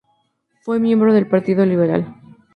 Fue miembro del partido liberal.